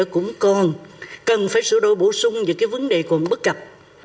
cũng còn cần phải sửa đổi bổ sung những cái vấn đề còn bất cập